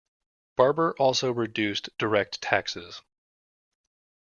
Barber also reduced direct taxes.